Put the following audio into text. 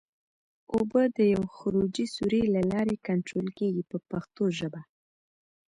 اوبه د یوې خروجي سوري له لارې کنټرول کېږي په پښتو ژبه.